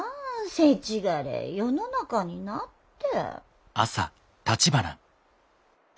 せちがれえ世の中になって。